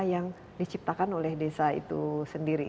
yang diciptakan oleh desa itu sendiri